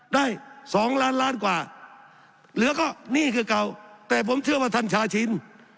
ได้สองล้านล้านกว่าเหลือก็นี่คือเก่าแต่ผมเชื่อว่าท่านชาชิน